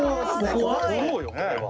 撮ろうよこれは。